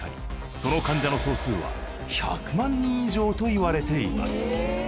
その患者の総数は１００万人以上と言われています。